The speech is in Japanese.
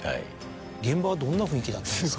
現場はどんな雰囲気だったんですか？